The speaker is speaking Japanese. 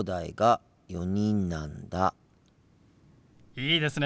いいですね。